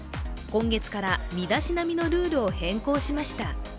今月から身だしなみのルールを変更しました。